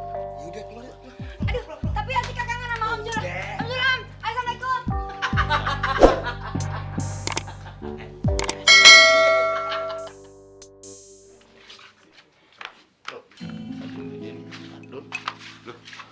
aduh tapi antika kangen sama om sulam